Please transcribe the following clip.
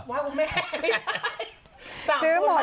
ว่าคุณแม่ใช่ซื้อหมด